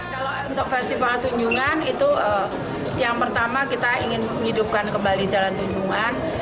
kalau untuk festival tunjungan itu yang pertama kita ingin menghidupkan kembali jalan tunjungan